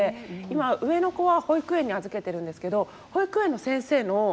今上の子は保育園に預けてるんですけど保育園の先生の口元